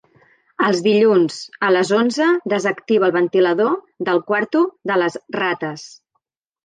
Els dilluns a les onze desactiva el ventilador del quarto de les rates.